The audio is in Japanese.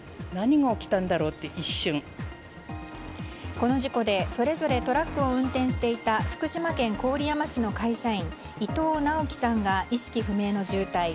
この事故でそれぞれトラックを運転していた福島県郡山市の会社員伊藤直紀さんが意識不明の重体。